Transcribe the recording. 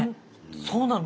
そうなのね。